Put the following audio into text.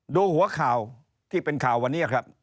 ดูหัวข่าวที่เป็นข่าววันนี้ครับ